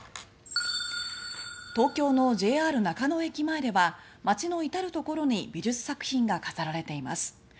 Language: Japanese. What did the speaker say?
東京のＪＲ中野駅前では街の至るところに美術作品が飾られています。